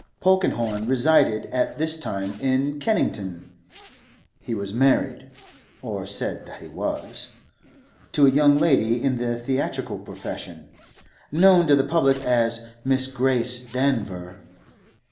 Polkenhorne resided at this time in Kennington; he was married—or said that he was—to a young lady in the theatrical profession, known to the public as Miss Grace Danver.